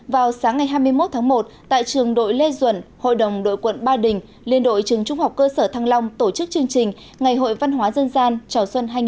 vào sáng ngày hai mươi một tháng một tại trường đội lê duẩn hội đồng đội quận ba đình liên đội trường trung học cơ sở thăng long tổ chức chương trình ngày hội văn hóa dân gian chào xuân hai nghìn hai mươi